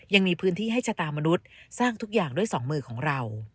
ยังมีพื้นที่ให้ชะตามนุษย์สร้างทุกอย่างด้วยสองมือของเรา